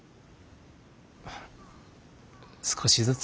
少しずつ。